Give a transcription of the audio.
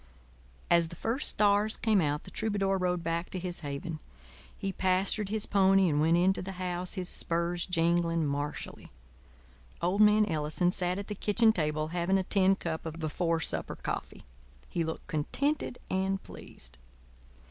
As the first stars came out the troubadour rode back to his haven. He pastured his pony and went into the house, his spurs jingling martially. Old man Ellison sat at the kitchen table, having a tin cup of before supper coffee. He looked contented and pleased.